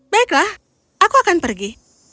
baiklah aku akan pergi